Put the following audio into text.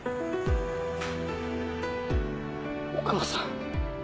お母さん？